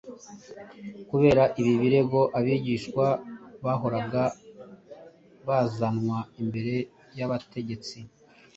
Kubera ibi birego, abigishwa bahoraga bazanwa imbere y’abategetsi;